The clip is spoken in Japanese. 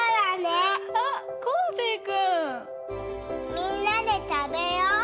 みんなでたべよう！